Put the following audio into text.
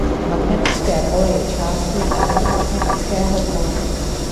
Magnetické pole je částí elektromagnetického pole.